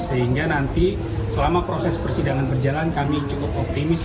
sehingga nanti selama proses persidangan berjalan kami cukup optimis